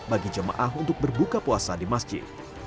bagi jemaah untuk berbuka puasa di masjid